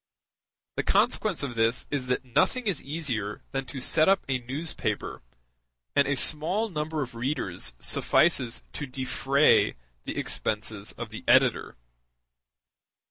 The consequence of this is that nothing is easier than to set up a newspaper, and a small number of readers suffices to defray the expenses of the editor.